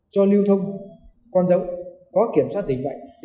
cho lưu thông con giống có kiểm soát dịch bệnh